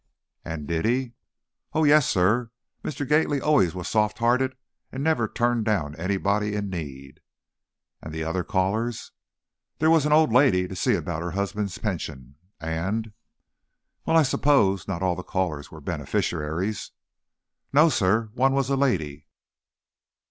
"And did he?" "Oh, yes, sir! Mr. Gately always was soft hearted and never turned down anybody in need." "And the other callers?" "There was an old lady, to see about her husband's pension, and " "Well? I suppose not all the callers were beneficiaries?" "No, sir. One was a a lady."